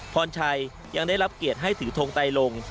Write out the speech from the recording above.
พรชัยยังได้รับเกียรติให้ถือทงไตลง